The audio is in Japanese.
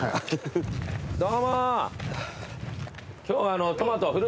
今日トマト。